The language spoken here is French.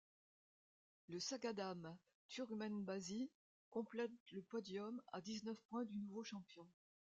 Le Şagadam Türkmenbaşy complète le podium à dix-neuf points du nouveau champion.